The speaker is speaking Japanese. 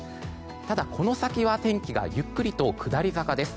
ただ、この先は天気がゆっくりと下り坂です。